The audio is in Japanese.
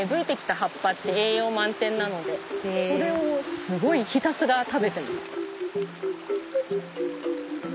それをすごいひたすら食べてます。